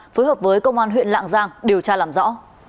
phối hợp với công an huyện lạng giang điều tra làm rõ